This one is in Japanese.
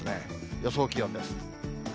予想気温です。